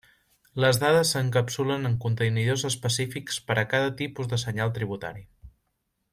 Les dades s'encapsulen en contenidors específics per a cada tipus de senyal tributari.